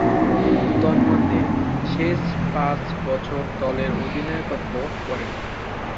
তন্মধ্যে, শেষ পাঁচ বছর দলের অধিনায়কত্ব করেন।